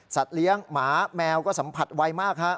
สัตว์เลี้ยงหมาแมวก็สัมผัสไวมากครับ